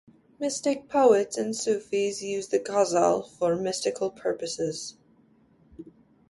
Mystic poets and sufis used the ghazal for mystical purposes.